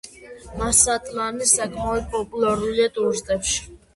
მასატლანი საკმაოდ პოპულარულია ტურისტებში.